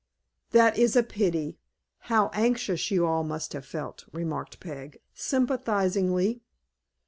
"That is a pity. How anxious you all must have felt!" remarked Peg, sympathizingly.